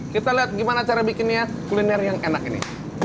kita lihat gimana cara bikinnya kuliner yang enak ini